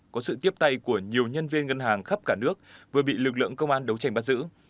có sự tiếp tay của nhiều nhân viên ngân hàng khắp cả nước vừa bị lực lượng công an đấu tranh bắt giữ